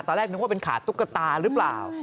ตอนแรกนึกว่าเป็นขาตุ๊กตาหรือเปล่า